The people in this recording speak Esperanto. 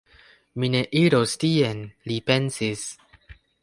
Mi ne iros tien, li pensis.